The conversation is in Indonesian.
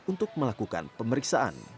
untuk melakukan pemeriksaan